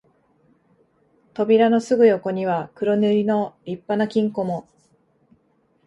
扉のすぐ横には黒塗りの立派な金庫も、